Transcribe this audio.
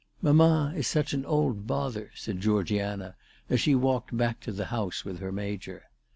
"Mamma is such an old bother," said Greorgiana as she walked back to the house with her Major.